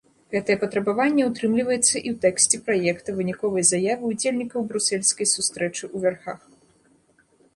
Гэтае патрабаванне ўтрымліваецца і ў тэксце праекта выніковай заявы ўдзельнікаў брусельскай сустрэчы ў вярхах.